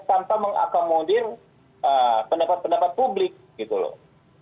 tanpa mengakomodir pendapat pendapat publik gitu loh